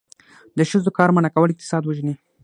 د ښځو کار منع کول اقتصاد وژني.